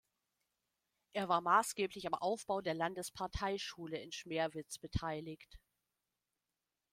Er war maßgeblich am Aufbau der Landesparteischule in Schmerwitz beteiligt.